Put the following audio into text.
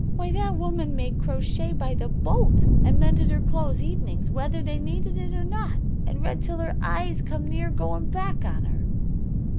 Why, that woman made crochet by the bolt, and mended her clothes evenings whether they needed it or not, and read till her eyes come near going back on her."